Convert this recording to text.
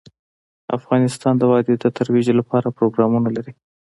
افغانستان د وادي د ترویج لپاره پروګرامونه لري.